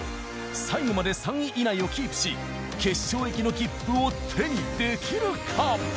最後まで３位以内をキープし決勝行きの切符を手にできるか？